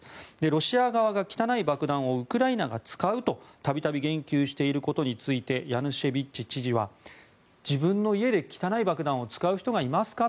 ロシア側が、汚い爆弾をウクライナが使うと度々言及していることについてヤヌシェビッチ知事は自分の家で汚い爆弾を使う人がいますか？